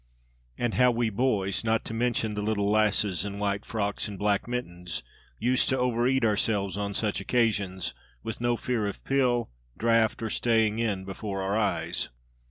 And how we boys (not to mention the little lasses in white frocks and black mittens) used to overeat ourselves, on such occasions, with no fear of pill, draught, or "staying in," before our eyes!